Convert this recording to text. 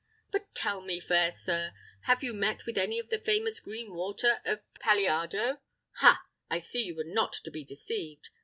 But tell me, fair sir, have you met with any of the famous green water of Palliardo? Ha! I see you were not to be deceived.